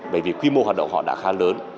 bởi vì quy mô hoạt động họ đã khá lớn